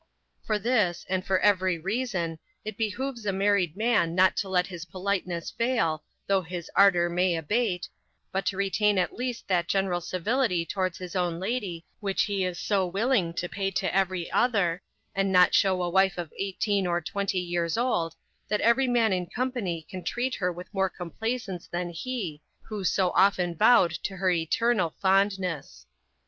For this, and for every reason, it behoves a married man not to let his politeness fail, though his ardor may abate, but to retain at least that general civility towards his own lady which he is so willing to pay to every other, and not show a wife of eighteen or twenty years old, that every man in company can treat her with more complaisance than he, who so often vowed to her eternal fondness.